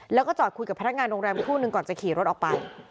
แล้วก็จอดคุยกับพนักงานโรงแรมครู่นึงก่อนจะขี่รถออกไป